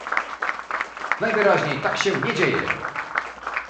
Najwyraźniej tak się nie dzieje